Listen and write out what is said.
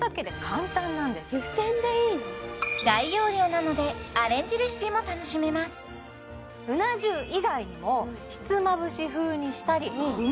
大容量なのでアレンジレシピも楽しめますうな重以外にもひつまぶし風にしたりう